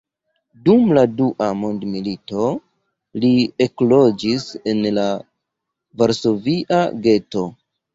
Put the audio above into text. Dum la dua mondmilito li ekloĝis en la varsovia geto.